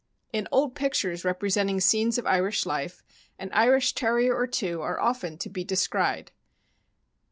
In old pictures representing scenes of Irish life, an Irish Terrier or two are often to be descried.